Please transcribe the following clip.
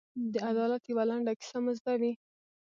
د عدالت یوه لنډه کیسه مو زده وي.